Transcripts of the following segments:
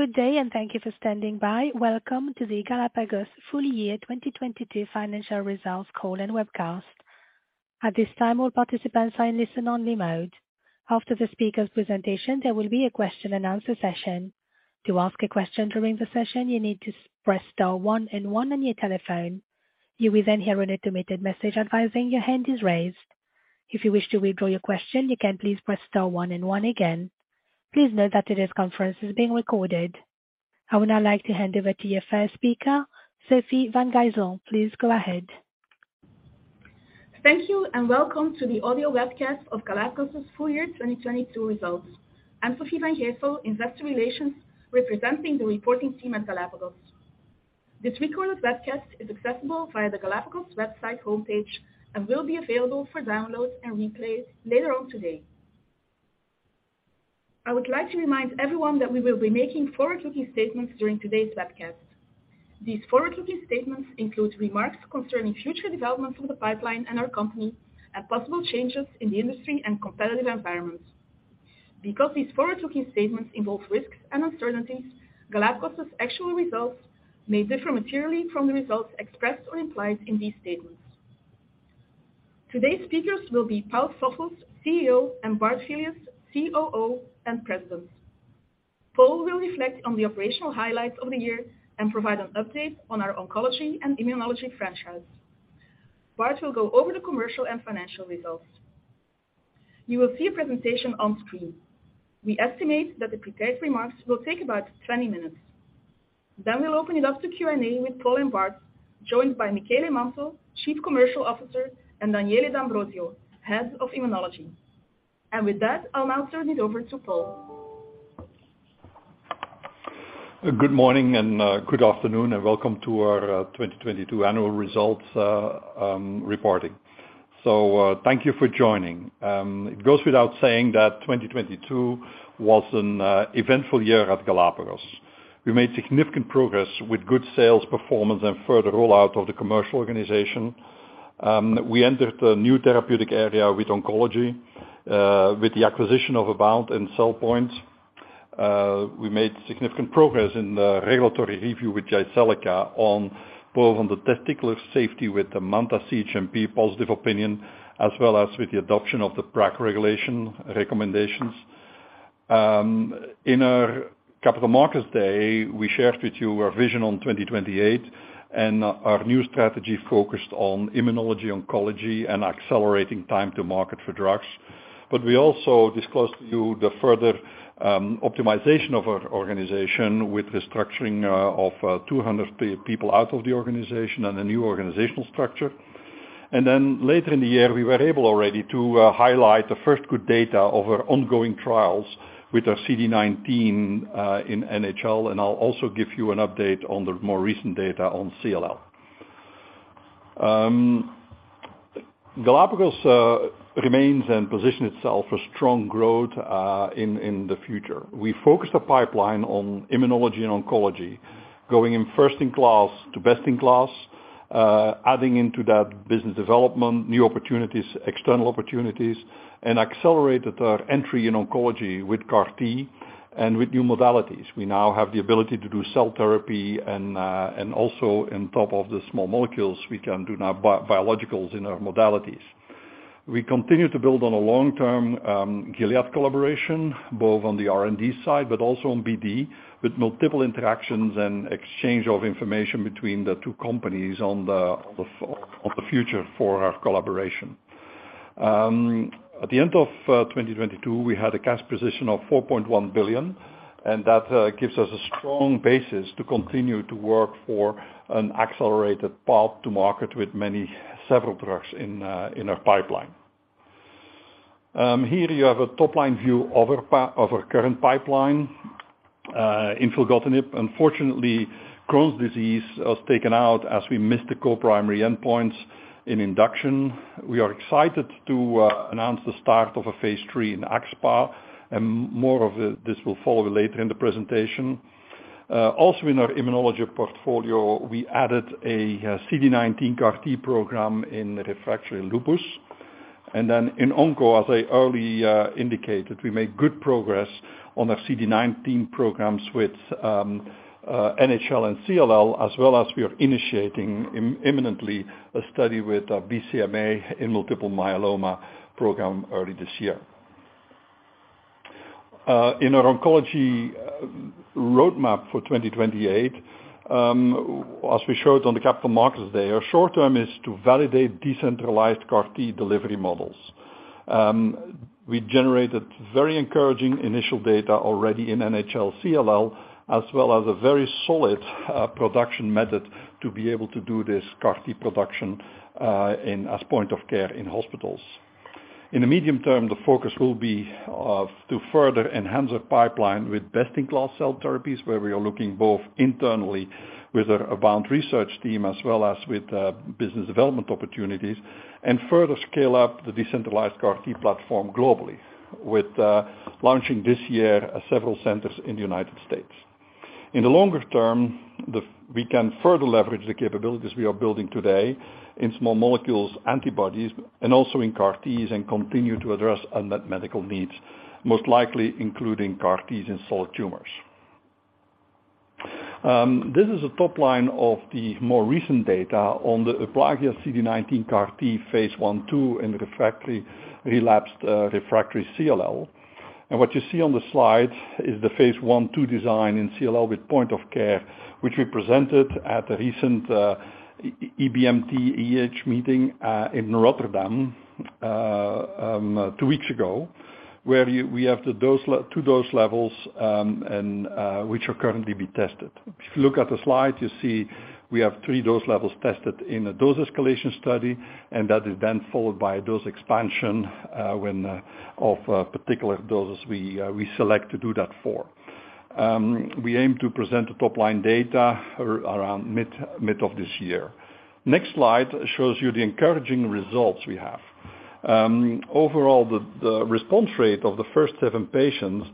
Good day and thank you for standing by. Welcome to the Galapagos full year 2022 financial results call and webcast. At this time, all participants are in listen only mode. After the speaker's presentation, there will be a question and answer session. To ask a question during the session, you need to press star one and one on your telephone. You will then hear an automated message advising your hand is raised. If you wish to withdraw your question, you can please press star one and one again. Please note that today's conference is being recorded. I would now like to hand over to you our first speaker, Sofie Van Gijsel. Please go ahead. Thank you and welcome to the audio webcast of Galapagos's full year 2022 results. I'm Sofie Van Gijsel, investor relations, representing the reporting team at Galapagos. This recorded webcast is accessible via the Galapagos website homepage and will be available for download and replay later on today. I would like to remind everyone that we will be making forward-looking statements during today's webcast. These forward-looking statements include remarks concerning future developments of the pipeline in our company and possible changes in the industry and competitive environment. Because these forward-looking statements involve risks and uncertainties, Galapagos's actual results may differ materially from the results expressed or implied in these statements. Today's speakers will be Paul Stoffels, CEO, and Bart Filius, COO and President. Paul will reflect on the operational highlights of the year and provide an update on our oncology and immunology franchise. Bart will go over the commercial and financial results. You will see a presentation on screen. We estimate that the prepared remarks will take about 20 minutes. We'll open it up to Q&A with Paul and Bart, joined by Michele Manto, Chief Commercial Officer, and Daniele D'Ambrosio, Head of Immunology. With that, I'll now turn it over to Paul. Good morning, good afternoon, and welcome to our 2022 annual results reporting. Thank you for joining. It goes without saying that 2022 was an eventful year at Galapagos. We made significant progress with good sales performance and further rollout of the commercial organization. We entered a new therapeutic area with oncology, with the acquisition of AboundBio and CellPoint. We made significant progress in the regulatory review with Jyseleca on both on the testicular safety with the MANTA, CHMP positive opinion, as well as with the adoption of the PRAC regulation recommendations. In our Capital Markets Day, we shared with you our vision on 2028 and our new strategy focused on immunology, oncology, and accelerating time to market for drugs. We also disclosed to you the further optimization of our organization with the structuring of 200 people out of the organization and a new organizational structure. Later in the year, we were able already to highlight the first good data of our ongoing trials with our CD19 in NHL. I'll also give you an update on the more recent data on CLL. Galapagos remains and position itself for strong growth in the future. We focus the pipeline on immunology and oncology, going in first in class to best in class, adding into that business development, new opportunities, external opportunities, and accelerated our entry in oncology with CAR-T and with new modalities. We now have the ability to do cell therapy and also on top of the small molecules, we can do now biologicals in our modalities. We continue to build on a long-term Gilead collaboration, both on the R&D side, but also on BD, with multiple interactions and exchange of information between the two companies on the future for our collaboration. At the end of 2022, we had a cash position of 4.1 billion, and that gives us a strong basis to continue to work for an accelerated path to market with many several products in our pipeline. Here you have a top-line view of our current pipeline. In filgotinib, unfortunately, Crohn's disease was taken out as we missed the co-primary endpoints in induction. We are excited to announce the start of a phase 3 in axSpA. More of this will follow later in the presentation. In our immunology portfolio, we added a CD19 CAR-T program in refractory lupus. In onco, as I early indicated, we made good progress on our CD19 programs with NHL and CLL, as well as we are initiating imminently a study with BCMA in multiple myeloma program early this year. In our oncology roadmap for 2028, as we showed on the capital markets day, our short term is to validate decentralized CAR-T delivery models. We generated very encouraging initial data already in NHL CLL, as well as a very solid production method to be able to do this CAR-T production as point of care in hospitals. In the medium term, the focus will be to further enhance the pipeline with best-in-class cell therapies, where we are looking both internally with our AboundBio research team as well as with business development opportunities, and further scale up the decentralized CAR-T platform globally with launching this year several centers in the United States. In the longer term, we can further leverage the capabilities we are building today in small molecules, antibodies, and also in CAR-Ts, and continue to address unmet medical needs, most likely including CAR-Ts in solid tumors. This is a top line of the more recent data on the EUPLAGIA-1 CD19 CAR-T Phase 1/2 in refractory relapsed refractory CLL. What you see on the slide is the Phase 1/2 design in CLL with point of care, which we presented at the recent EBMT EHA meeting in Rotterdam 2 weeks ago, where we have the 2 dose levels, which are currently being tested. If you look at the slide, you see we have 3 dose levels tested in a dose escalation study, that is followed by a dose expansion when of particular doses we select to do that for. We aim to present the top-line data around mid of this year. Next slide shows you the encouraging results we have. Overall, the response rate of the first 7 patients,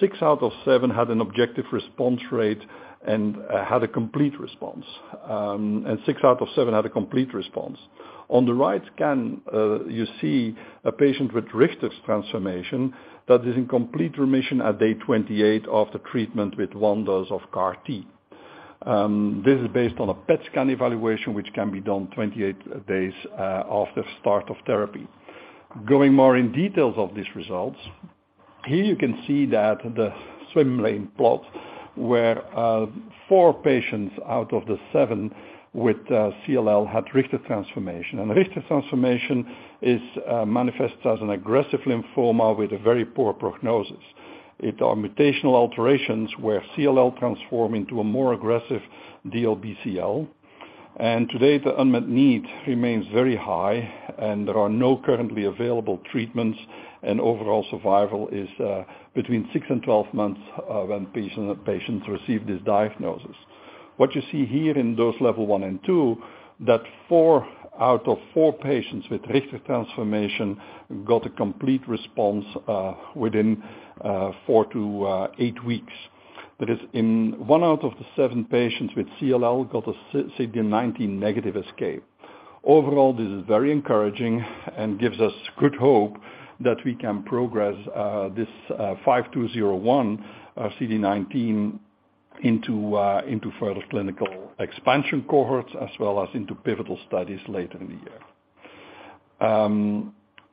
6 out of 7 had an objective response rate and had a complete response. 6 out of 7 had a complete response. On the right scan, you see a patient with Richter's transformation that is in complete remission at day 28 of the treatment with 1 dose of CAR T. This is based on a PET scan evaluation, which can be done 28 days after start of therapy. Going more in details of these results, here you can see that the swim lane plots where 4 patients out of the 7 with CLL had Richter transformation. Richter transformation is manifest as an aggressive lymphoma with a very poor prognosis. Our mutational alterations, where CLL transform into a more aggressive DLBCL. Today, the unmet need remains very high, and there are no currently available treatments, and overall survival is between 6 and 12 months when patients receive this diagnosis. What you see here in those level 1 and 2, that 4 out of 4 patients with Richter's transformation got a complete response within 4 to 8 weeks. That is in 1 out of the 7 patients with CLL got a CD19 negative escape. Overall, this is very encouraging and gives us good hope that we can progress this GLPG5201 CD19 into further clinical expansion cohorts as well as into pivotal studies later in the year.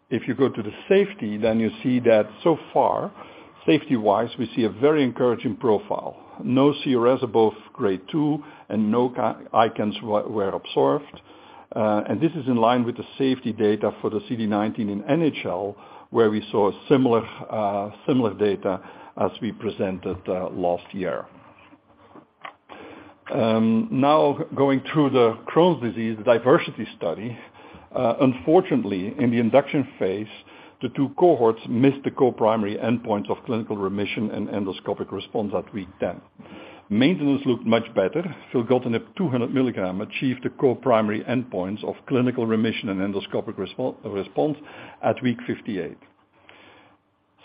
If you go to the safety, you see that so far, safety-wise, we see a very encouraging profile. No CRS above Grade 2 and no ICANS were observed. This is in line with the safety data for the CD19 in NHL, where we saw similar data as we presented last year. Now going through the Crohn's disease DIVERSITY study. Unfortunately, in the induction phase, the 2 cohorts missed the co-primary endpoint of clinical remission and endoscopic response at week 10. Maintenance looked much better. Filgotinib 200 mg achieved the co-primary endpoints of clinical remission and endoscopic response at week 58.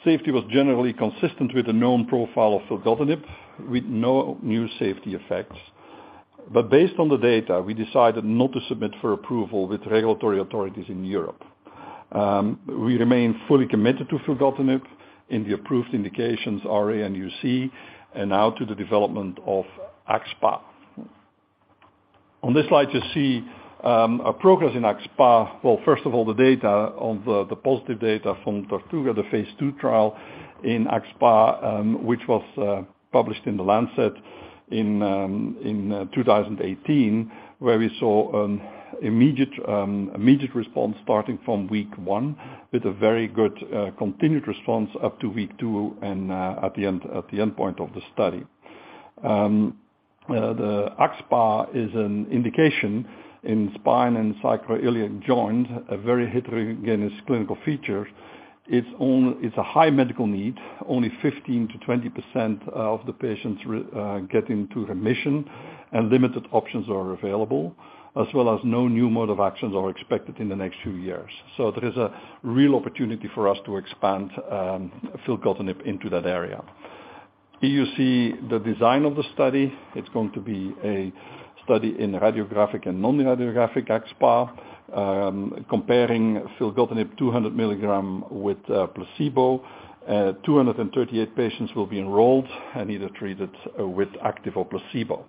Safety was generally consistent with the known profile of filgotinib, with no new safety effects. Based on the data, we decided not to submit for approval with regulatory authorities in Europe. We remain fully committed to filgotinib in the approved indications RA and UC, and now to the development of axSpA. On this slide, you see a progress in axSpA. First of all, the positive data from TORTUGA, the phase 2 trial in axSpA, which was published in The Lancet in 2018, where we saw immediate response starting from week one with a very good continued response up to week two and at the endpoint of the study. The axSpA is an indication in spine and sacroiliac joint, a very heterogeneous clinical feature. It's a high medical need. Only 15% to 20% of the patients get into remission and limited options are available, as well as no new mode of actions are expected in the next few years. There is a real opportunity for us to expand filgotinib into that area. Here you see the design of the study. It's going to be a study in radiographic and non-radiographic axSpA, comparing filgotinib 200 milligram with placebo. 238 patients will be enrolled and either treated with active or placebo.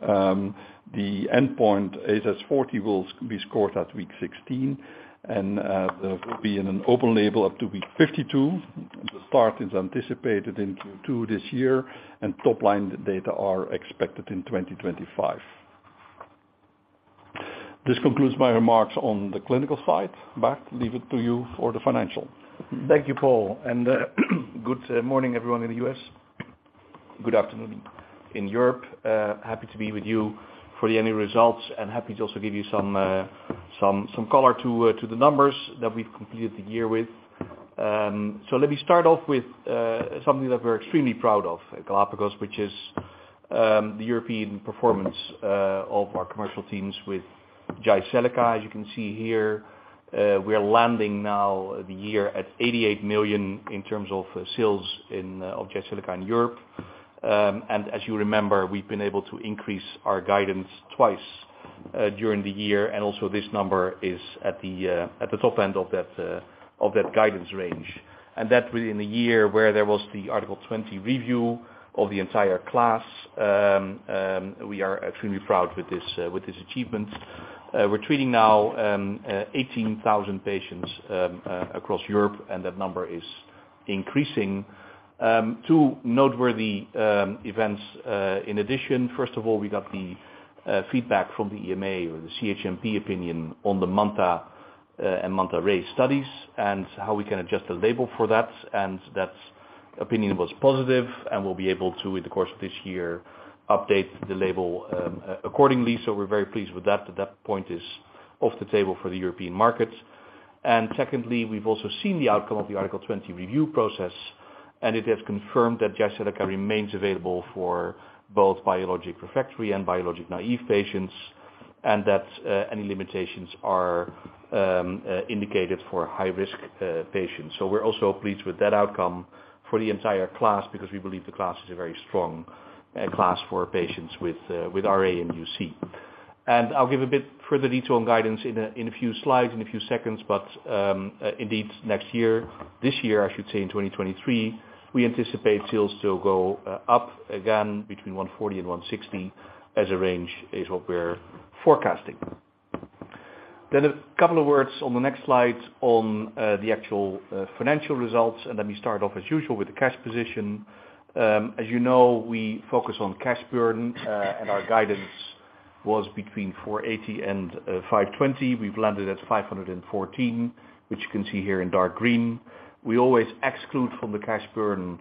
The endpoint ASAS40 will be scored at week 16 and there will be an open label up to week 52. The start is anticipated in Q2 this year and top-line data are expected in 2025. This concludes my remarks on the clinical side. Bart, leave it to you for the financial. Thank you, Paul, good morning everyone in the US. Good afternoon in Europe. Happy to be with you for the annual results and happy to also give you some color to the numbers that we've completed the year with. Let me start off with something that we're extremely proud of at Galapagos, which is the European performance of our commercial teams with Jyseleca. As you can see here, we are landing now the year at 88 million in terms of sales of Jyseleca in Europe. As you remember, we've been able to increase our guidance twice during the year, and also this number is at the top end of that guidance range. That within a year where there was the Article 20 review of the entire class, we are extremely proud with this achievement. We're treating now 18,000 patients across Europe, and that number is increasing. Two noteworthy events in addition. First of all, we got the feedback from the EMA or the CHMP opinion on the MANTA and MANTA-RAy studies and how we can adjust the label for that. That opinion was positive and we'll be able to, in the course of this year, update the label accordingly. We're very pleased with that that point is off the table for the European markets. Secondly, we've also seen the outcome of the Article 20 review process, and it has confirmed that Jyseleca remains available for both biologic refractory and biologic-naive patients, and that any limitations are indicated for high-risk patients. We're also pleased with that outcome for the entire class because we believe the class is a very strong class for patients with RA and UC. I'll give a bit further detail on guidance in a few slides, in a few seconds. Indeed next year, this year, I should say, in 2023, we anticipate sales to go up again between 140 million and 160 million as a range is what we're forecasting. A couple of words on the next slide on the actual financial results. Let me start off as usual with the cash position. As you know, we focus on cash burn, and our guidance was between 480 and 520. We've landed at 514, which you can see here in dark green. We always exclude from the cash burn,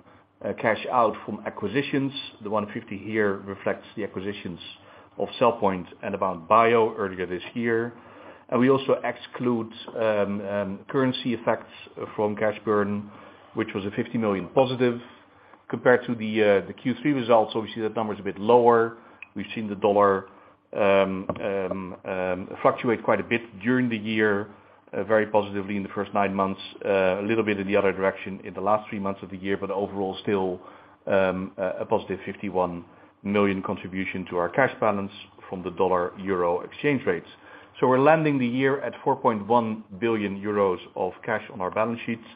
cash out from acquisitions. The 150 here reflects the acquisitions of CellPoint and AboundBioBio earlier this year. We also exclude currency effects from cash burn, which was a 50 million positive compared to the Q3 results. Obviously, that number is a bit lower. We've seen the dollar fluctuate quite a bit during the year, very positively in the first 9 months, a little bit in the other direction in the last 3 months of the year, but overall still a positive 51 million contribution to our cash balance from the dollar-euro exchange rates. We're landing the year at 4.1 billion euros of cash on our balance sheets,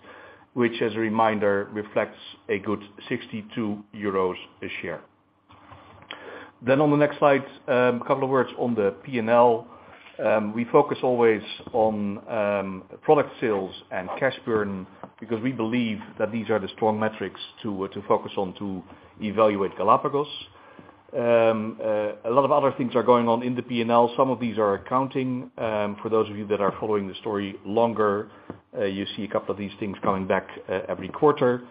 which as a reminder, reflects a good 62 euros a share. On the next slide, a couple of words on the P&L. We focus always on product sales and cash burn because we believe that these are the strong metrics to focus on to evaluate Galapagos. A lot of other things are going on in the P&L. Some of these are accounting, for those of you that are following the story longer, you see a couple of these things coming back every quarter.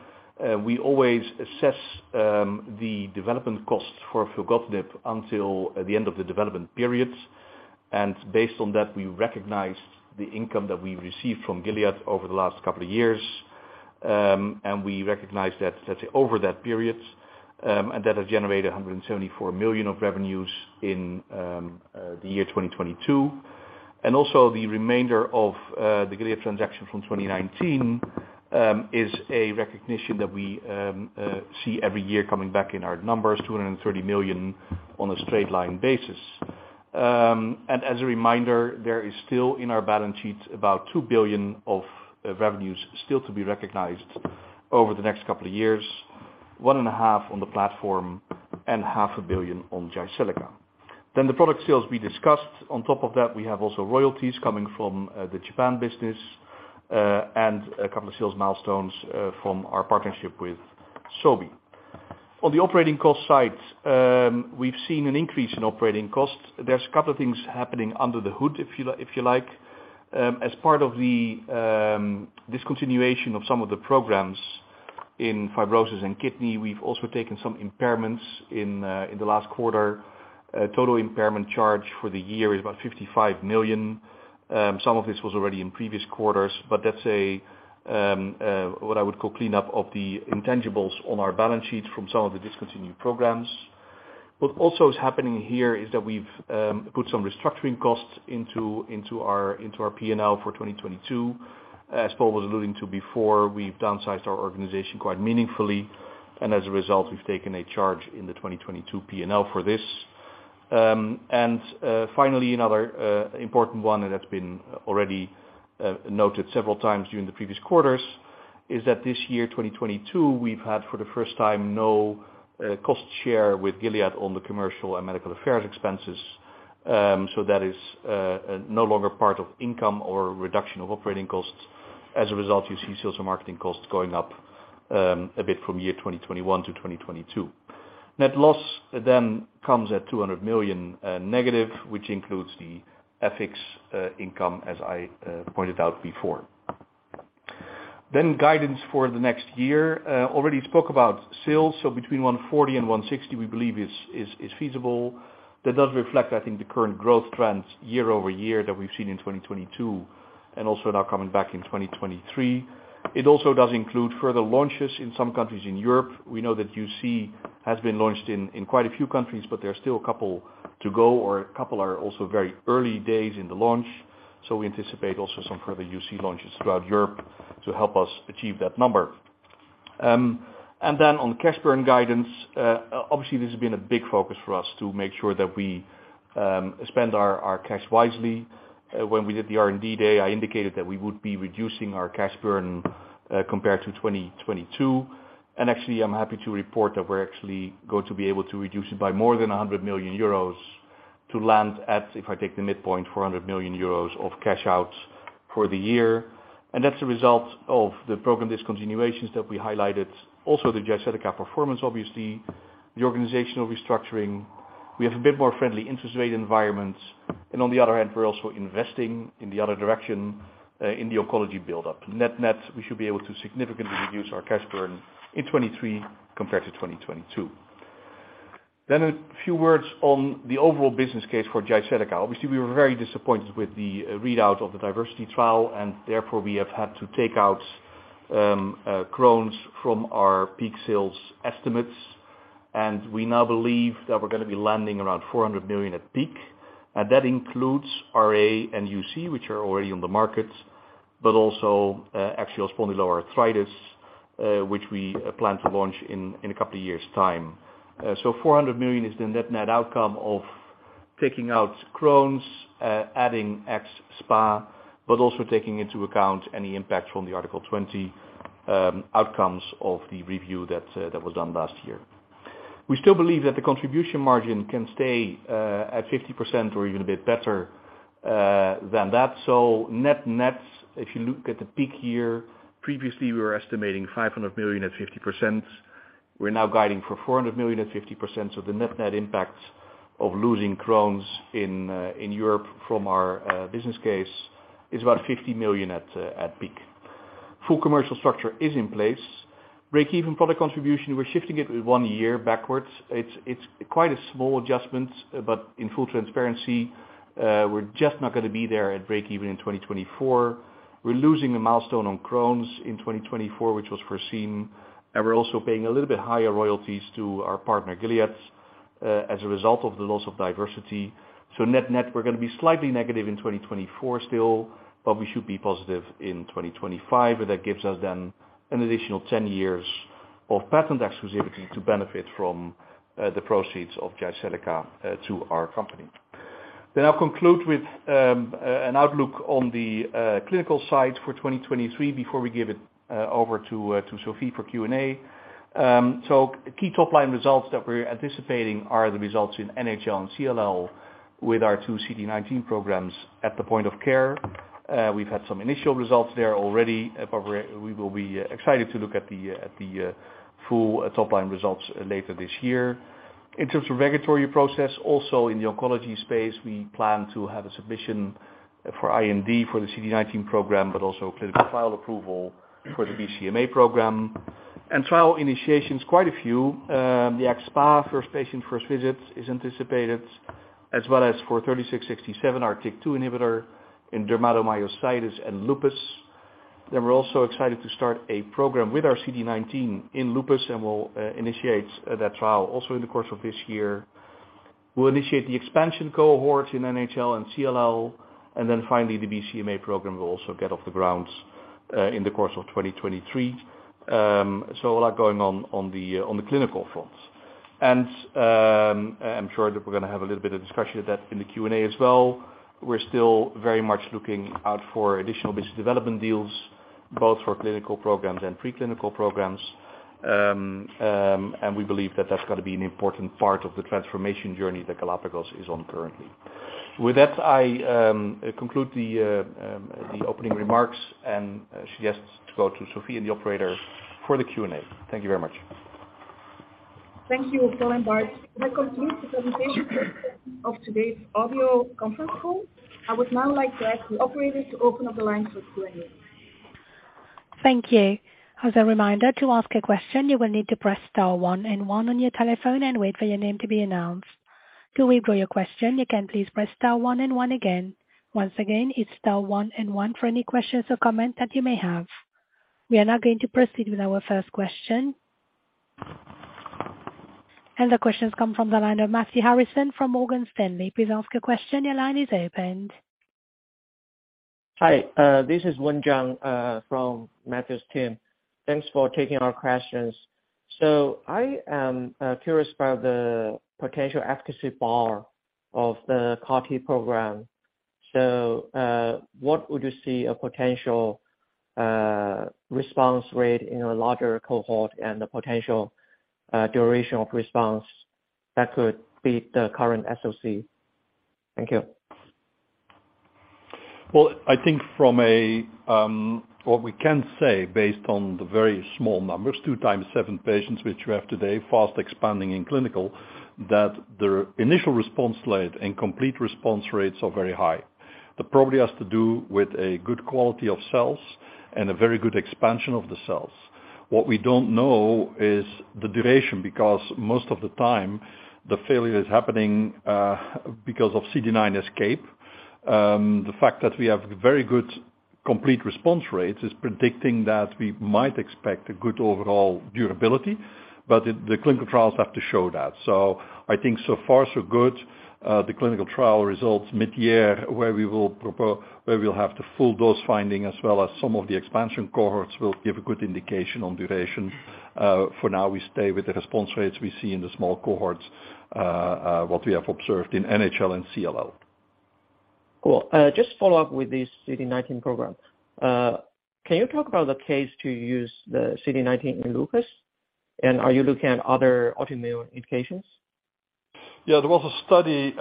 We always assess the development costs for filgotinib until the end of the development period. Based on that, we recognized the income that we received from Gilead over the last couple of years. We recognize that, let's say, over that period, and that has generated 174 million of revenues in the year 2022. Also the remainder of the Gilead transaction from 2019 is a recognition that we see every year coming back in our numbers, 230 million on a straight line basis. As a reminder, there is still in our balance sheet about 2 billion of revenues still to be recognized over the next couple of years, one and a half on the platform and half a billion on Jyseleca. The product sales we discussed. On top of that, we have also royalties coming from the Japan business and a couple of sales milestones from our partnership with Sobi. On the operating cost side, we've seen an increase in operating costs. There's a couple of things happening under the hood, if you like. As part of the discontinuation of some of the programs in fibrosis and kidney, we've also taken some impairments in the last quarter. Total impairment charge for the year is about 55 million. Some of this was already in previous quarters, but that's a what I would call cleanup of the intangibles on our balance sheet from some of the discontinued programs. What also is happening here is that we've put some restructuring costs into our P&L for 2022. As Paul was alluding to before, we've downsized our organization quite meaningfully, and as a result, we've taken a charge in the 2022 P&L for this. Finally, another important one that has been already noted several times during the previous quarters is that this year, 2022, we've had for the first time, no cost share with Gilead on the commercial and medical affairs expenses. That is no longer part of income or reduction of operating costs. As a result, you see sales and marketing costs going up a bit from year 2021 to 2022. Net loss comes at 200 million negative, which includes the ethics income, as I pointed out before. Guidance for the next year. Already spoke about sales, so between 140 million and 160 million, we believe is feasible. That does reflect, I think, the current growth trends year-over-year that we've seen in 2022 and also now coming back in 2023. It also does include further launches in some countries in Europe. We know that UC has been launched in quite a few countries, but there are still a couple to go, or a couple are also very early days in the launch. We anticipate also some further UC launches throughout Europe to help us achieve that number. On cash burn guidance, obviously this has been a big focus for us to make sure that we spend our cash wisely. When we did the R&D day, I indicated that we would be reducing our cash burn compared to 2022. Actually, I'm happy to report that we're actually going to be able to reduce it by more than 100 million euros to land at, if I take the midpoint, 400 million euros of cash outs for the year. That's a result of the program discontinuations that we highlighted. Also, the Jyseleca performance, obviously, the organizational restructuring. We have a bit more friendly interest rate environment. On the other hand, we're also investing in the other direction, in the oncology buildup. Net-net, we should be able to significantly reduce our cash burn in 2023 compared to 2022. A few words on the overall business case for Jyseleca. Obviously, we were very disappointed with the readout of the DIVERSITY trial, and therefore we have had to take out Crohn's from our peak sales estimates. We now believe that we're gonna be landing around 400 million at peak. That includes RA and UC, which are already on the market, but also axial spondyloarthritis, which we plan to launch in a couple of years' time. 400 million is the net-net outcome of taking out Crohn's, adding axSpA, but also taking into account any impact from the Article 20 outcomes of the review that was done last year. We still believe that the contribution margin can stay at 50% or even a bit better than that. Net-net, if you look at the peak year, previously we were estimating 500 million at 50%. We're now guiding for 400 million at 50%. The net-net impact of losing Crohn's in Europe from our business case is about 50 million at peak. Full commercial structure is in place. Breakeven product contribution, we're shifting it one year backwards. It's quite a small adjustment, but in full transparency, we're just not gonna be there at breakeven in 2024. We're losing a milestone on Crohn's in 2024, which was foreseen, and we're also paying a little bit higher royalties to our partner, Gilead, as a result of the loss of DIVERSITY. Net-net, we're gonna be slightly negative in 2024 still, but we should be positive in 2025. That gives us an additional 10 years of patent exclusivity to benefit from the proceeds of Jyseleca to our company. I'll conclude with an outlook on the clinical side for 2023 before we give it over to Sofie for Q&A. Key top-line results that we're anticipating are the results in NHL and CLL with our 2 CD19 programs at the point of care. We've had some initial results there already, but we will be excited to look at the full top-line results later this year. In terms of regulatory process, also in the oncology space, we plan to have a submission for IND for the CD19 program, but also clinical trial approval for the BCMA program. Trial initiations, quite a few. The axSpA first patient, first visit is anticipated, as well as for 3667, our TYK2 inhibitor in dermatomyositis and lupus. We're also excited to start a program with our CD19 in lupus, and we'll initiate that trial also in the course of this year. We'll initiate the expansion cohort in NHL and CLL. Finally, the BCMA program will also get off the ground in the course of 2023. A lot going on the clinical front. I'm sure that we're gonna have a little bit of discussion of that in the Q&A as well. We're still very much looking out for additional business development deals, both for clinical programs and preclinical programs. We believe that that's gonna be an important part of the transformation journey that Galapagos is on currently. With that, I conclude the opening remarks and suggest to go to Sophie and the operator for the Q&A. Thank you very much. Thank you, Paul and Bart. That concludes the presentation of today's audio conference call. I would now like to ask the operator to open up the lines for Q&A. Thank you. As a reminder, to ask a question, you will need to press star one and one on your telephone and wait for your name to be announced. To withdraw your question, you can please press star one and one again. Once again, it's star one and one for any questions or comments that you may have. We are now going to proceed with our first question. The question's come from the line of Matthew Harrison from Morgan Stanley. Please ask your question. Your line is opened. Hi, this is Juan Zhang from Matthew's team. Thanks for taking our questions. I am curious about the potential efficacy bar of the CAR-T program. What would you see a potential response rate in a larger cohort and the potential duration of response that could beat the current SOC? Thank you. I think from a, what we can say based on the very small numbers, 2 times 7 patients, which we have today, fast expanding in clinical, that the initial response rate and complete response rates are very high. Probably has to do with a good quality of cells and a very good expansion of the cells. What we don't know is the duration, because most of the time the failure is happening because of CD19 escape. The fact that we have very good complete response rates is predicting that we might expect a good overall durability. The clinical trials have to show that. I think so far so good. The clinical trial results mid-year, where we'll have the full dose finding as well as some of the expansion cohorts, will give a good indication on duration. For now, we stay with the response rates we see in the small cohorts, what we have observed in NHL and CLL. Cool. Just follow up with the CD19 program. Can you talk about the case to use the CD19 in lupus, and are you looking at other autoimmune indications? Yeah, there was a study,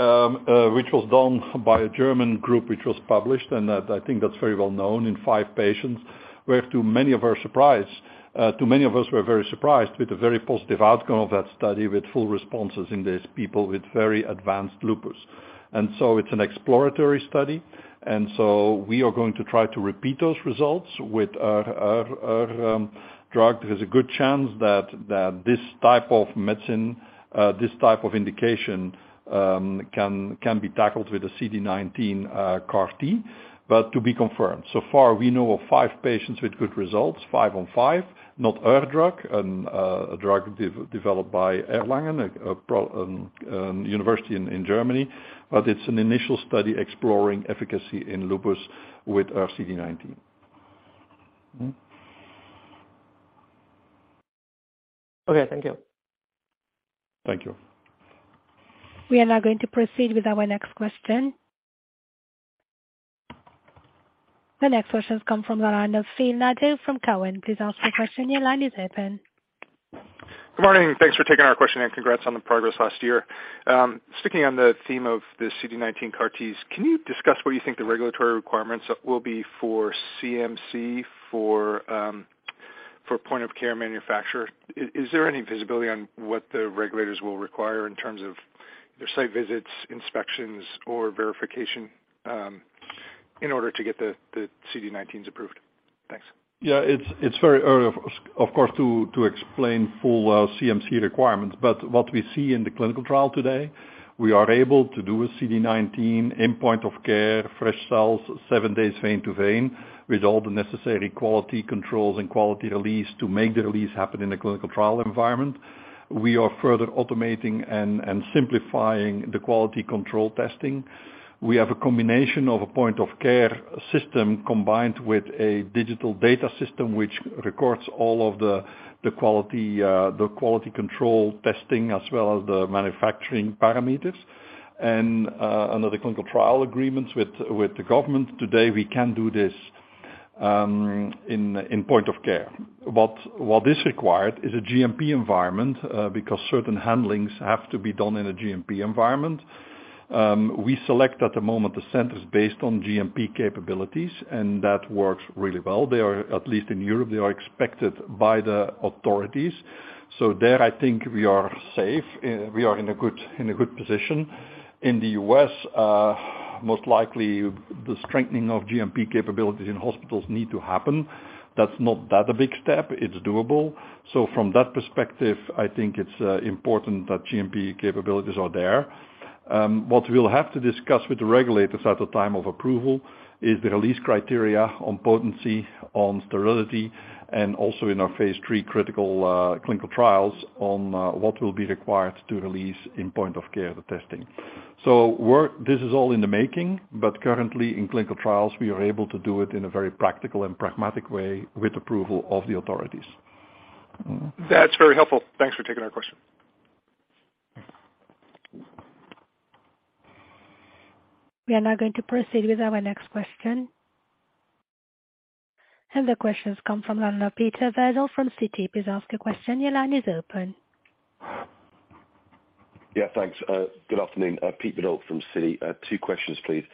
which was done by a German group, which was published, and that, I think that's very well known in five patients, where to many of us were very surprised with the very positive outcome of that study with full responses in these people with very advanced lupus. It's an exploratory study, and so we are going to try to repeat those results with our drug. There's a good chance that this type of medicine, this type of indication, can be tackled with a CD19 CAR T, to be confirmed. Far, we know of five patients with good results, five on five, not our drug, and a drug developed by Erlangen, a university in Germany. It's an initial study exploring efficacy in lupus with our CD19. Okay, thank you. Thank you. We are now going to proceed with our next question. The next question comes from the line of Philip Nadeau from Cowen. Please ask your question. Your line is open. Good morning. Thanks for taking our question. Congrats on the progress last year. Sticking on the theme of the CD19 CAR Ts, can you discuss what you think the regulatory requirements will be for CMC, for point-of-care manufacturer? Is there any visibility on what the regulators will require in terms of their site visits, inspections, or verification, in order to get the CD19s approved? Thanks. Yeah, it's very early, of course, to explain full CMC requirements. What we see in the clinical trial today, we are able to do a CD19 in point of care, fresh cells, seven days vein to vein, with all the necessary quality controls and quality release to make the release happen in a clinical trial environment. We are further automating and simplifying the quality control testing. We have a combination of a point-of-care system combined with a digital data system, which records all of the quality, the quality control testing as well as the manufacturing parameters. Under the clinical trial agreements with the government today, we can do this in point of care. What is required is a GMP environment because certain handlings have to be done in a GMP environment. We select, at the moment, the centers based on GMP capabilities, and that works really well. They are, at least in Europe, they are expected by the authorities. There, I think we are safe. We are in a good position. In the U.S., most likely the strengthening of GMP capabilities in hospitals need to happen. That's not that a big step. It's doable. From that perspective, I think it's important that GMP capabilities are there. What we'll have to discuss with the regulators at the time of approval is the release criteria on potency, on sterility, and also in our phase 3 critical clinical trials on what will be required to release in point of care the testing. Work. This is all in the making, but currently in clinical trials, we are able to do it in a very practical and pragmatic way with approval of the authorities. Mm-hmm. That's very helpful. Thanks for taking our question. We are now going to proceed with our next question. The question's come from the line of Peter Widdop from Citi. Please ask your question. Your line is open. Yeah, thanks. Good afternoon, Peter Widdop from Citi. two questions, please.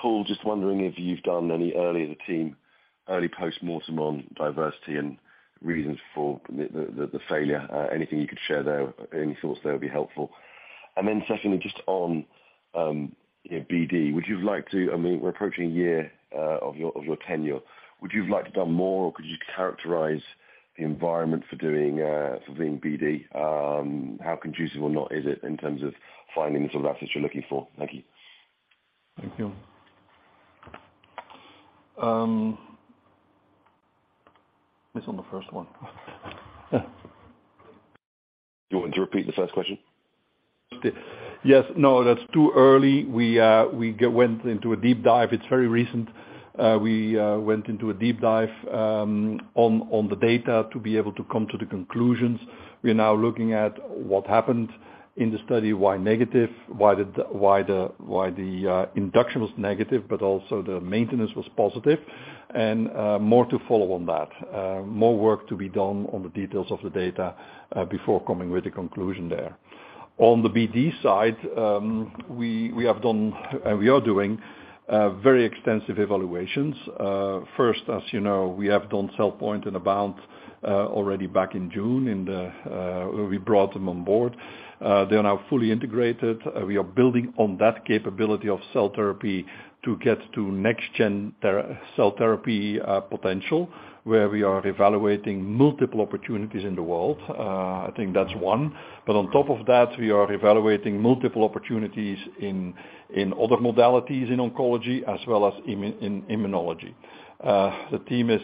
Paul, just wondering if you've done any early in the team, early postmortem on DIVERSITY and reasons for the failure. anything you could share there, any thoughts there would be helpful. Then secondly, just on, you know, BD, would you like to I mean, we're approaching a year, of your tenure. Would you have liked to done more, or could you characterize the environment for doing, for doing BD? how conducive or not is it in terms of finding the sort of assets you're looking for? Thank you. Thank you. miss on the first one. You want me to repeat the first question? Yes. No, that's too early. We went into a deep dive. It's very recent. We went into a deep dive on the data to be able to come to the conclusions. We are now looking at what happened in the study, why negative, why the induction was negative, but also the maintenance was positive. More to follow on that. More work to be done on the details of the data before coming with a conclusion there. On the BD side, we have done, and we are doing, very extensive evaluations. First, as you know, we have done CellPoint and AboundBio already back in June in the We brought them on board. They are now fully integrated. We are building on that capability of cell therapy to get to next-gen cell therapy potential, where we are evaluating multiple opportunities in the world. I think that's one. On top of that, we are evaluating multiple opportunities in other modalities in oncology as well as in immunology. The team is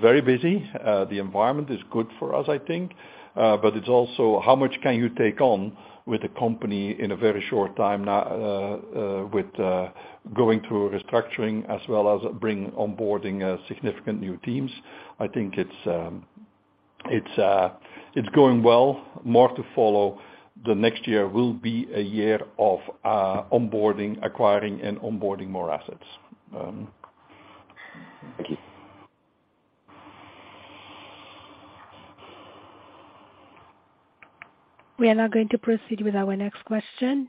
very busy. The environment is good for us, I think. It's also how much can you take on with the company in a very short time with going through a restructuring as well as bring onboarding significant new teams. I think it's going well. More to follow. The next year will be a year of onboarding, acquiring, and onboarding more assets. Thank you. We are now going to proceed with our next question.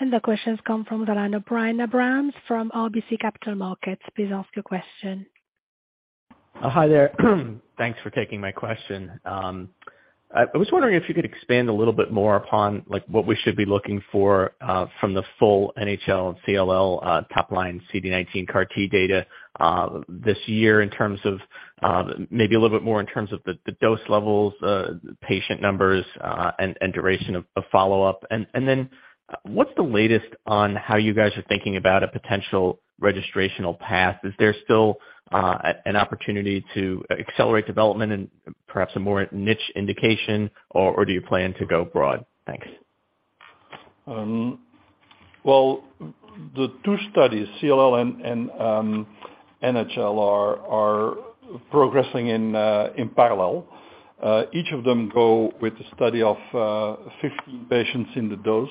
The question's come from the line of Brian Abrahams from RBC Capital Markets. Please ask your question. Hi there. Thanks for taking my question. I was wondering if you could expand a little bit more upon, like, what we should be looking for from the full NHL and CLL top-line CD19 CAR-T data this year in terms of maybe a little bit more in terms of the dose levels, patient numbers, and duration of follow-up. And then what's the latest on how you guys are thinking about a potential registrational path? Is there still an opportunity to accelerate development and perhaps a more niche indication, or do you plan to go broad? Thanks. Well, the two studies, CLL and NHL are progressing in parallel. Each of them go with the study of 50 patients in the dose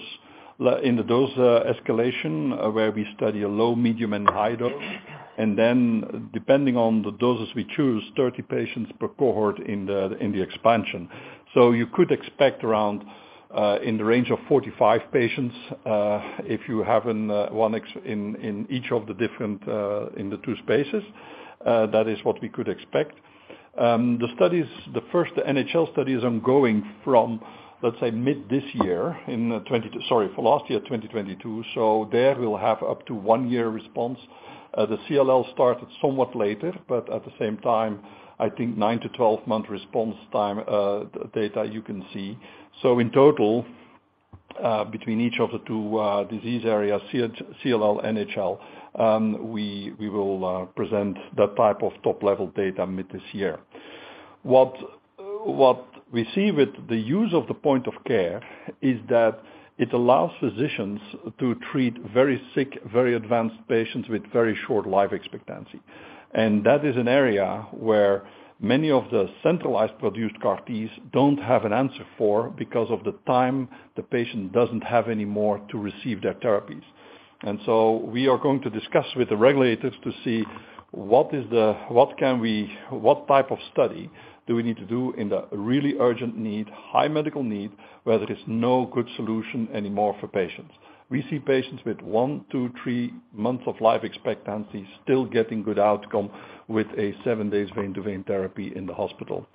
in the dose escalation where we study a low, medium, and high dose. Depending on the doses we choose, 30 patients per cohort in the expansion. You could expect around in the range of 45 patients if you have one in each of the different in the two spaces. That is what we could expect. The studies, the first NHL study is ongoing from, let's say, mid this year in last year, 2022. There we'll have up to 1-year response. The CLL started somewhat later, but at the same time, I think 9-12 month response time, data you can see. In total, between each of the two disease areas, CLL, NHL, we will present that type of top-level data mid this year. What we see with the use of the point of care is that it allows physicians to treat very sick, very advanced patients with very short life expectancy. That is an area where many of the centralized produced CAR-Ts don't have an answer for because of the time the patient doesn't have any more to receive their therapies. We are going to discuss with the regulators to see what is the... what can we... what type of study do we need to do in the really urgent need, high medical need, where there is no good solution anymore for patients. We see patients with 1, 2, 3 months of life expectancy still getting good outcome with a 7-days vein-to-vein therapy in the hospital.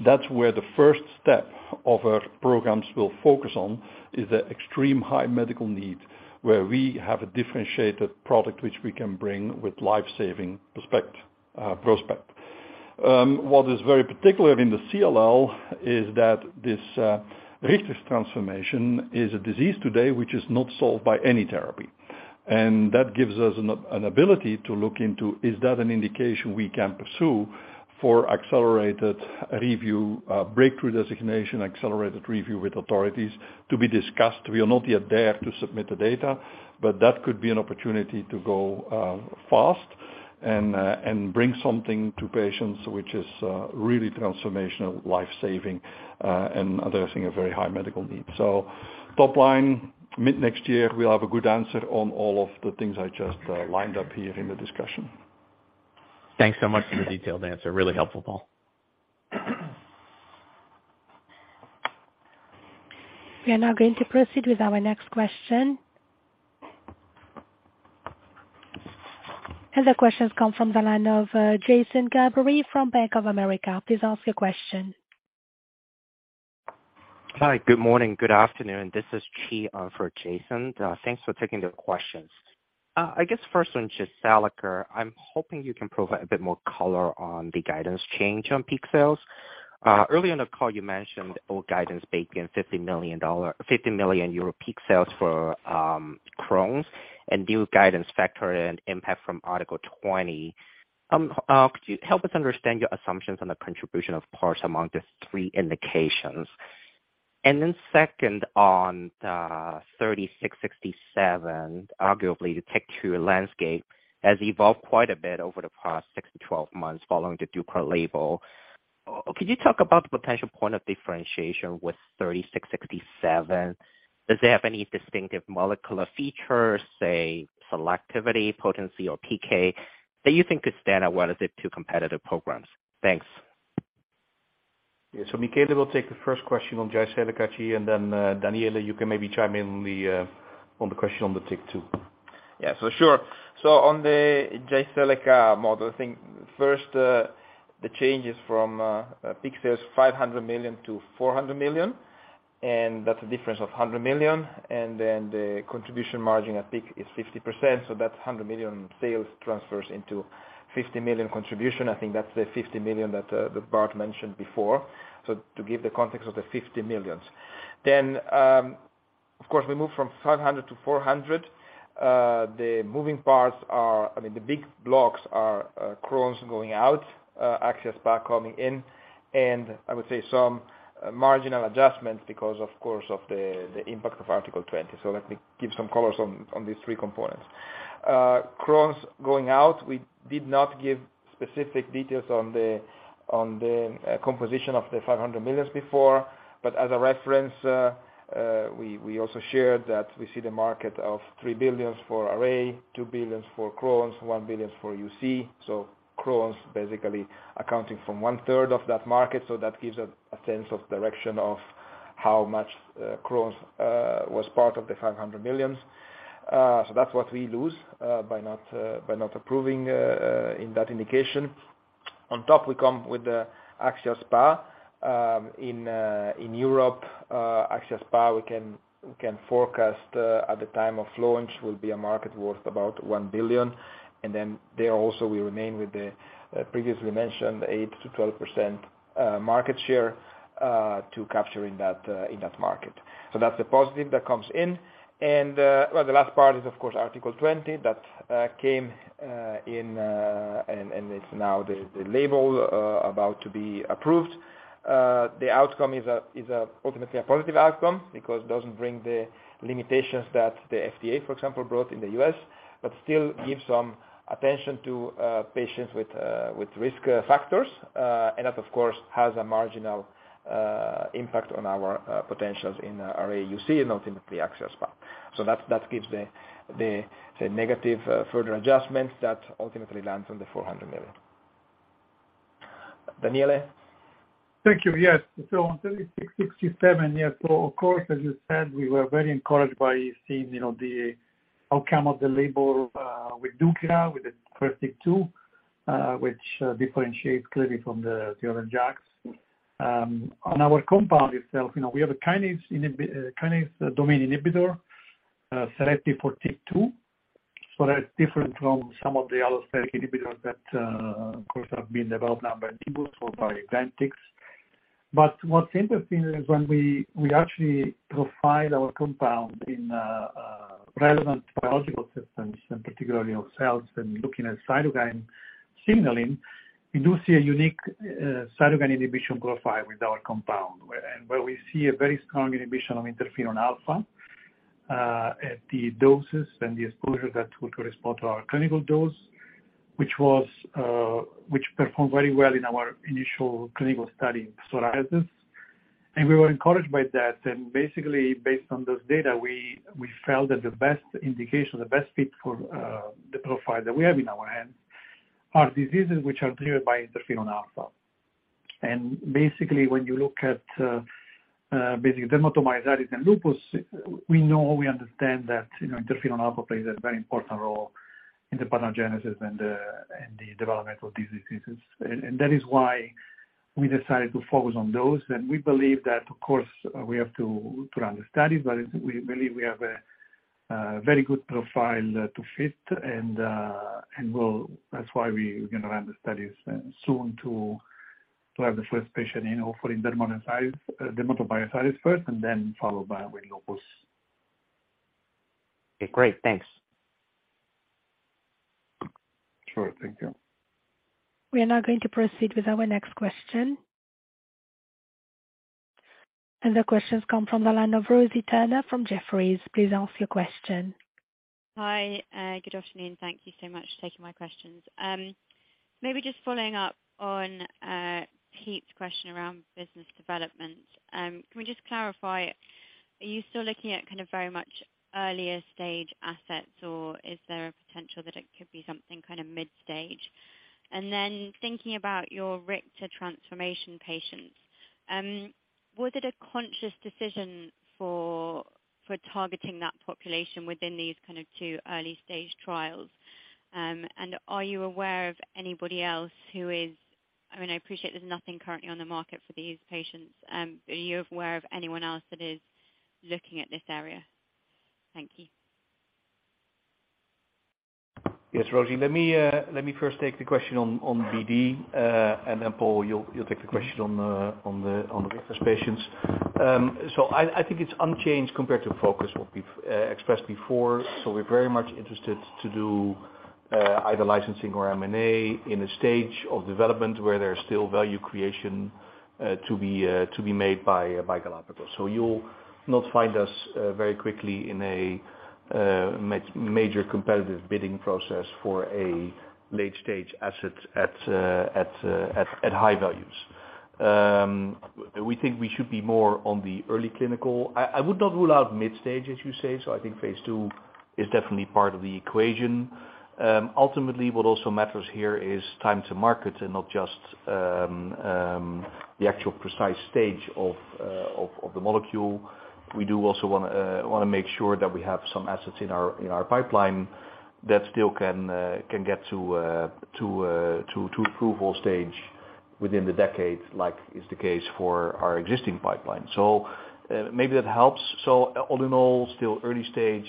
That's where the first step of our programs will focus on, is the extreme high medical need, where we have a differentiated product which we can bring with life-saving prospect. What is very particular in the CLL is that this Richter's transformation is a disease today which is not solved by any therapy. That gives us an ability to look into, is that an indication we can pursue for accelerated review, breakthrough designation, accelerated review with authorities to be discussed. We are not yet there to submit the data, but that could be an opportunity to go fast and bring something to patients which is really transformational, life-saving, and addressing a very high medical need. Top line, mid-next year, we'll have a good answer on all of the things I just lined up here in the discussion. Thanks so much for the detailed answer. Really helpful, Paul. We are now going to proceed with our next question. The question's come from the line of, Jason Gerberry from Bank of America. Please ask your question. Hi. Good morning. Good afternoon. This is Chi for Jason. Thanks for taking the questions. I guess first one to Galapagos. I'm hoping you can provide a bit more color on the guidance change on peak sales. Early in the call you mentioned old guidance baking EUR 50 million peak sales for Crohn's and new guidance factor and impact from Article 20. Could you help us understand your assumptions on the contribution of parse among the three indications? Then second, on the 3667, arguably the TYK2 landscape has evolved quite a bit over the past 6 to 12 months following the deucravacitinib label. Could you talk about the potential point of differentiation with 3667? Does it have any distinctive molecular features, say selectivity, potency, or PK, that you think could stand out well as the two competitive programs? Thanks. Michele will take the first question on Jyseleca, Chi. Then, Daniele, you can maybe chime in on the question on the TYK2. Yeah. Sure. On the Jyseleca model, I think first, the change is from peak sales 500 million to 400 million, and that's a difference of 100 million. Then the contribution margin at peak is 50%, so that 100 million sales transfers into 50 million contribution. I think that's the 50 million that Bart mentioned before. To give the context of the 50 million. Of course, we moved from 500 to 400. The moving parts are, I mean, the big blocks are Crohn's going out, access back coming in, and I would say some marginal adjustments because, of course, of the impact of Article 20. Let me give some colors on these three components. Crohn's going out, we did not give specific details on the composition of the 500 million before. As a reference, we also shared that we see the market of 3 billion for RA, 2 billion for Crohn's, 1 billion for UC. Crohn's basically accounting from 1/3 of that market, that gives a sense of direction of how much Crohn's was part of the 500 million. That's what we lose by not approving in that indication. On top, we come with the axSpA. In Europe, axSpA, we can forecast at the time of launch, will be a market worth about 1 billion. There also we remain with the previously mentioned 8%-12% market share to capture in that market. That's the positive that comes in. Well, the last part is, of course, Article 20 that came in and it's now the label about to be approved. The outcome is ultimately a positive outcome because it doesn't bring the limitations that the FDA, for example, brought in the U.S., but still gives some attention to patients with risk factors. That, of course, has a marginal impact on our potentials in RA UC and ultimately access path. That gives the negative further adjustments that ultimately lands on the 400 million. Daniele? Thank you. Yes. On 3667, yes. Of course, as you said, we were very encouraged by seeing, you know, the outcome of the label with deucravacitinib, with the TYK2, which differentiates clearly from the other JAKs. On our compound itself, you know, we have a kinase domain inhibitor selected for TYK2. That's different from some of the allosteric inhibitors that, of course, have been developed now by uncertain or by uncertain. What's interesting is when we actually profile our compound in relevant biological systems, and particularly of cells and looking at cytokine signaling, we do see a unique cytokine inhibition profile with our compound where, and where we see a very strong inhibition of interferon alpha at the doses and the exposure that would correspond to our clinical dose, which performed very well in our initial clinical study in psoriasis. We were encouraged by that. Basically, based on those data, we felt that the best indication, the best fit for the profile that we have in our hand are diseases which are driven by interferon alpha. Basically, when you look at basically dermatomyositis and lupus, we know, we understand that, you know, interferon alpha plays a very important role in the pathogenesis and the development of these diseases. That is why we decided to focus on those. We believe that, of course, we have to run the studies, but we believe we have a very good profile to fit. That's why we are gonna run the studies soon to have the first patient in offering dermatomyositis first, and then followed by with lupus. Okay. Great. Thanks. Sure. Thank you. We are now going to proceed with our next question. The questions come from the line of Rosie Turner from Jefferies. Please ask your question. Hi, good afternoon. Thank you so much for taking my questions. Maybe just following up on Pete's question around business development. Can we just clarify, are you still looking at kind of very much earlier-stage assets, or is there a potential that it could be something kinda mid-stage? Thinking about your Richter's transformation patients, was it a conscious decision for targeting that population within these kind of two early-stage trials? Are you aware of anybody else who is... I mean, I appreciate there's nothing currently on the market for these patients. Are you aware of anyone else that is looking at this area? Thank you. Yes, Rosie. Let me first take the question on BD. Then Paul, you'll take the question on the Richter's patients. I think it's unchanged compared to focus what we've expressed before. We're very much interested to do either licensing or M&A in a stage of development where there's still value creation to be made by Galapagos. You'll not find us very quickly in a major competitive bidding process for a late-stage asset at high values. We think we should be more on the early clinical. I would not rule out mid stage, as you say, so I think phase 2 is definitely part of the equation. Ultimately, what also matters here is time to market and not just the actual precise stage of the molecule. We do also wanna make sure that we have some assets in our pipeline that still can get to approval stage within the decade, like is the case for our existing pipeline. Maybe that helps. All in all, still early stage,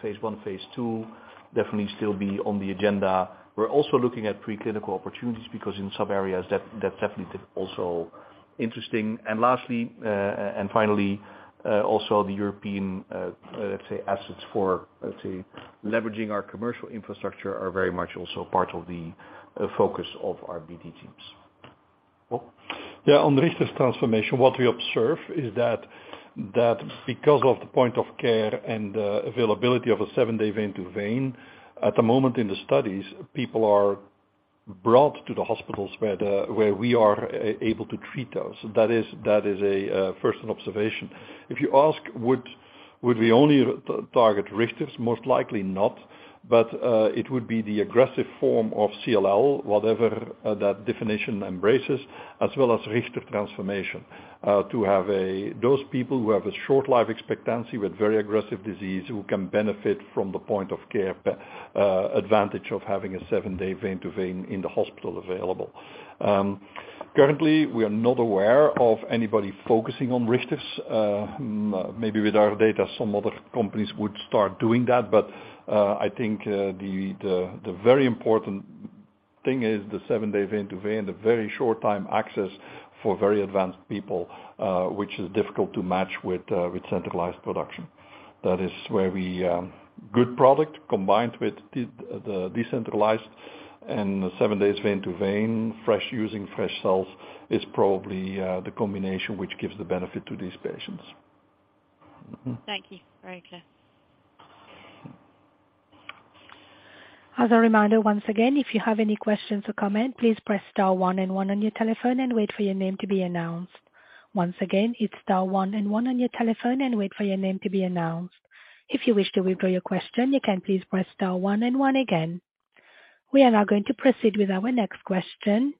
phase 1, phase 2, definitely still be on the agenda. We're also looking at preclinical opportunities because in some areas that definitely could also. Interesting. Lastly, and finally, also the European, let's say assets for, let's say leveraging our commercial infrastructure are very much also part of the focus of our BD teams. Paul? Yeah. On Richter's transformation, what we observe is that because of the point of care and availability of a 7-day vein to vein, at the moment in the studies, people are brought to the hospitals where we are able to treat those. That is a first an observation. If you ask would we only target Richter's, most likely not. It would be the aggressive form of CLL, whatever that definition embraces, as well as Richter's transformation. Those people who have a short life expectancy with very aggressive disease who can benefit from the point of care, advantage of having a 7-day vein to vein in the hospital available. Currently, we are not aware of anybody focusing on Richter's. Maybe with our data, some other companies would start doing that, I think the very important thing is the seven-day vein to vein, the very short time access for very advanced people, which is difficult to match with centralized production. That is where we. Good product combined with the decentralized and seven days vein to vein, using fresh cells is probably the combination which gives the benefit to these patients. Thank you. Very clear. As a reminder, once again, if you have any questions or comment, please press star one and one on your telephone and wait for your name to be announced. Once again, it's star one and one on your telephone, and wait for your name to be announced. If you wish to withdraw your question, you can please press star one and one again. We are now going to proceed with our next question.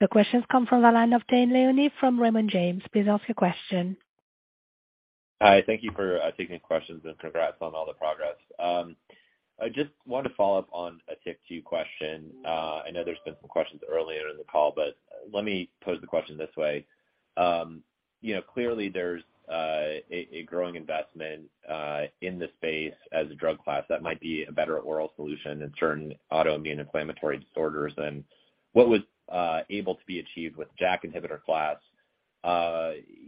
The questions come from the line of Dane Leone from Raymond James. Please ask your question. Hi. Thank you for taking the questions and congrats on all the progress. I just want to follow up on a TYK2 question. I know there's been some questions earlier in the call, but let me pose the question this way. You know, clearly there's a growing investment in the space as a drug class that might be a better oral solution in certain autoimmune inflammatory disorders and what was able to be achieved with JAK inhibitor class.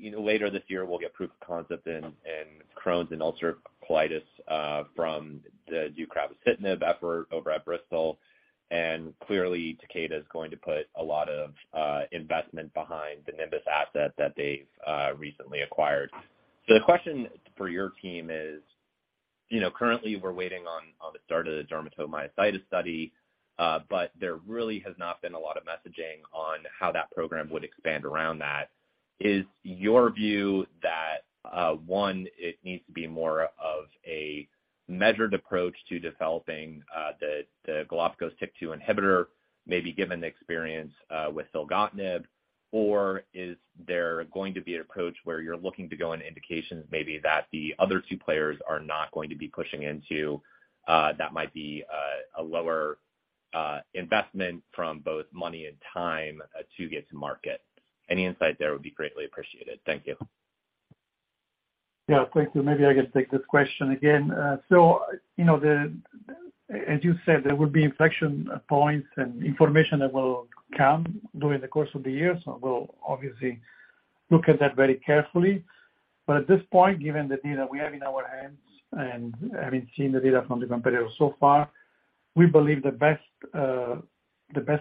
You know, later this year we'll get proof of concept in Crohn's and ulcerative colitis from the deucravacitinib effort over at Bristol Myers Squibb. Clearly, Takeda is going to put a lot of investment behind the Nimbus asset that they've recently acquired. The question for your team is, you know, currently we're waiting on the start of the dermatomyositis study, but there really has not been a lot of messaging on how that program would expand around that. Is your view that, one, it needs to be more of a measured approach to developing the Galapagos' TYK2 inhibitor, maybe given the experience with filgotinib? Is there going to be an approach where you're looking to go in indications maybe that the other two players are not going to be pushing into, that might be a lower investment from both money and time to get to market? Any insight there would be greatly appreciated. Thank you. Yeah, thank you. Maybe I can take this question again. you know, the as you said, there will be inflection points and information that will come during the course of the year. We'll obviously look at that very carefully. At this point, given the data we have in our hands and having seen the data from the competitors so far, we believe the best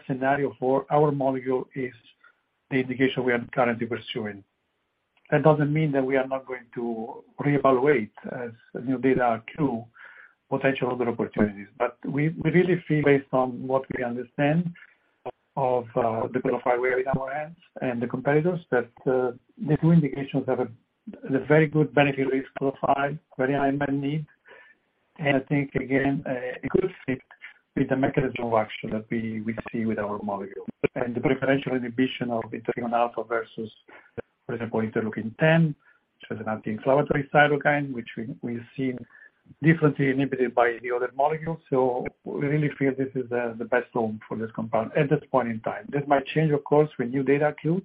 scenario for our molecule is the indication we are currently pursuing. That doesn't mean that we are not going to reevaluate as new data accrue potential other opportunities. We really feel based on what we understand of the qualified way in our hands and the competitors, that the two indications have the very good benefit risk profile, very high unmet need. I think, again, a good fit with the mechanism of action that we see with our molecule. The preferential inhibition of interferon alpha versus, for example, interleukin-10, which is an anti-inflammatory cytokine, which we've seen differently inhibited by the other molecules. We really feel this is the best home for this compound at this point in time. This might change of course, with new data accrue.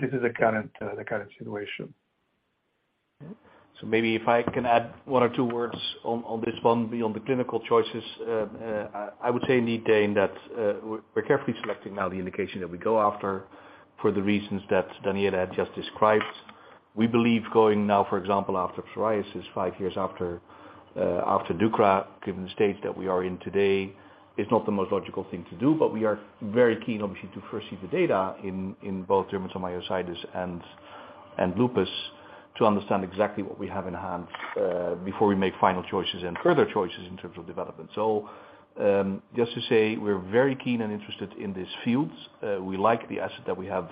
This is the current, the current situation. Maybe if I can add one or two words on this one beyond the clinical choices. I would say indeed, Dane, that we're carefully selecting now the indication that we go after for the reasons that Daniele had just described. We believe going now, for example, after psoriasis five years after Otezla, given the state that we are in today, is not the most logical thing to do. We are very keen obviously to first see the data in both dermatomyositis and lupus to understand exactly what we have in hand, before we make final choices and further choices in terms of development. Just to say we're very keen and interested in this field. We like the asset that we have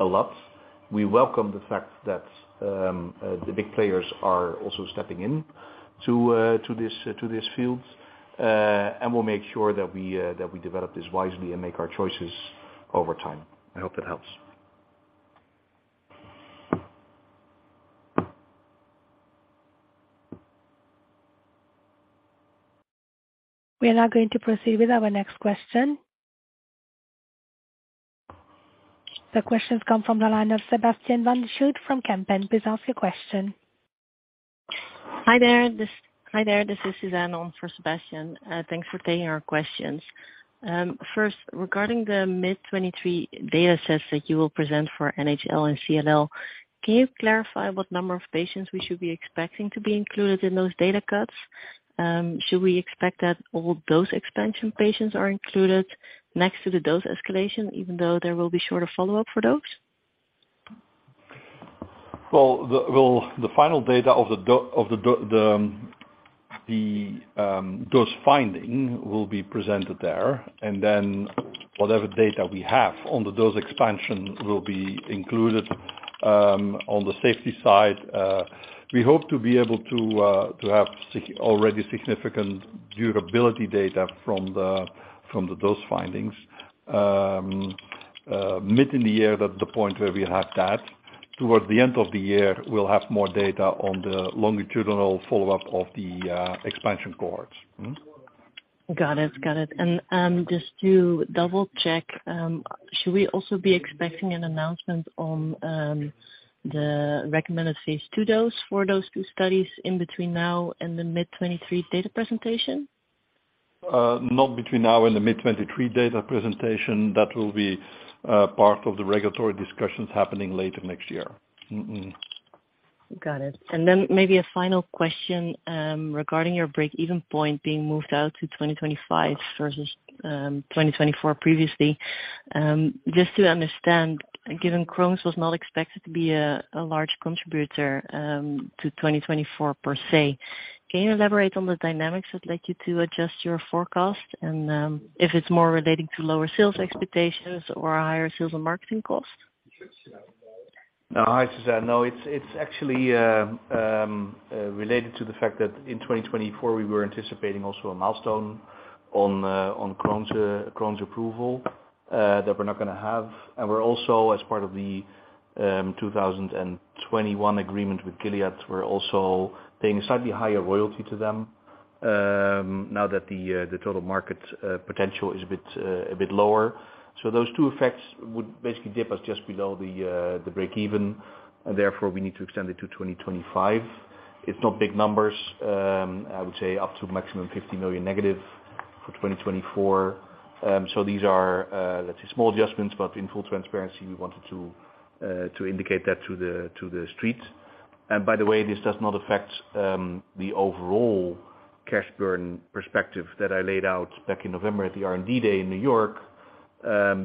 a lot. We welcome the fact that the big players are also stepping in to this field. We'll make sure that we develop this wisely and make our choices over time. I hope that helps. We are now going to proceed with our next question. The questions come from the line of Sebastiaan van de Schoot from Kempen. Please ask your question. Hi there. This is Suzanne on for Sebastiaan. Thanks for taking our questions. First regarding the mid 2023 data sets that you will present for NHL and CLL, can you clarify what number of patients we should be expecting to be included in those data cuts? Should we expect that all dose expansion patients are included next to the dose escalation, even though there will be shorter follow-up for those? Well, the final data of the dose finding will be presented there and then whatever data we have on the dose expansion will be included on the safety side. We hope to be able to have already significant durability data from the dose findings mid in the year that the point where we have that. Towards the end of the year, we'll have more data on the longitudinal follow-up of the expansion cohorts. Mm-hmm. Got it. Got it. Just to double check, should we also be expecting an announcement on the recommended phase 2 dose for those two studies in between now and the mid 2023 data presentation? Not between now and the mid-2023 data presentation. That will be part of the regulatory discussions happening later next year. Got it. Maybe a final question, regarding your break even point being moved out to 2025 versus, 2024 previously. Just to understand, given Crohn's was not expected to be a large contributor, to 2024 per se, can you elaborate on the dynamics that led you to adjust your forecast and, if it's more relating to lower sales expectations or higher sales and marketing costs? No. Hi, Suzanne. No, it's actually related to the fact that in 2024 we were anticipating also a milestone on Crohn's approval that we're not gonna have. We're also as part of the 2021 agreement with Gilead, we're also paying a slightly higher royalty to them now that the total market potential is a bit lower. Those two effects would basically dip us just below the break even and therefore we need to extend it to 2025. It's not big numbers. I would say up to maximum 50 million negative for 2024. These are, let's say small adjustments, but in full transparency we wanted to indicate that to the streets. By the way, this does not affect the overall cash burn perspective that I laid out back in November at the R&D day in New York,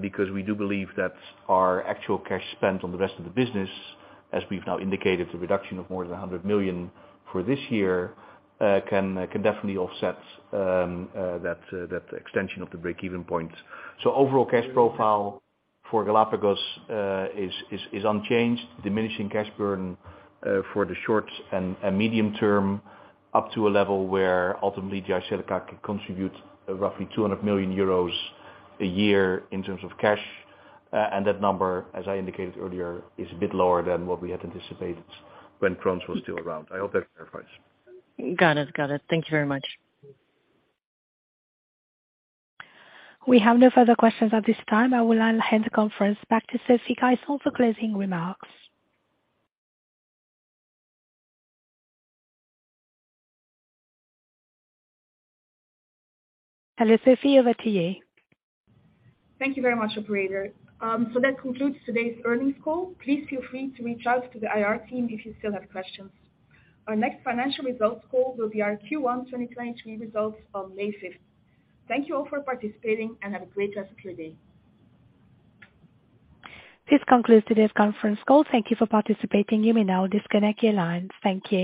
because we do believe that our actual cash spent on the rest of the business, as we've now indicated, the reduction of more than 100 million for this year, can definitely offset that extension of the break-even point. Overall cash profile for Galapagos is unchanged. Diminishing cash burn for the short and medium term up to a level where ultimately Jyseleca can contribute roughly 200 million euros a year in terms of cash. That number, as I indicated earlier, is a bit lower than what we had anticipated when Crohn's was still around. I hope that clarifies. Got it. Got it. Thank you very much. We have no further questions at this time. I will now hand the conference back to Sofie Van Gijsel for closing remarks. Hello, Sofie, you're back to you. Thank you very much, operator. That concludes today's earnings call. Please feel free to reach out to the IR team if you still have questions. Our next financial results call will be our Q1 2023 results on May fifth. Thank you all for participating and have a great rest of your day. This concludes today's conference call. Thank you for participating. You may now disconnect your lines. Thank you.